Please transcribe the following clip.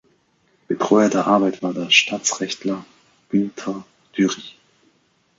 Betreuer der Arbeit war der Staatsrechtler Günter Dürig.